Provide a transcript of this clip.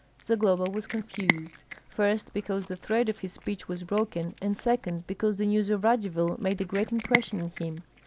Zagloba was confused; first, because the thread of his speech was broken, and second, because the news of Radzivill made a great impression on him.